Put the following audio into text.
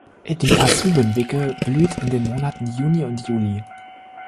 Die Kassuben-Wicke blüht in den Monaten Juni und Juli.